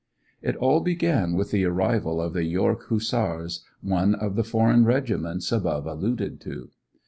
It all began with the arrival of the York Hussars, one of the foreign regiments above alluded to.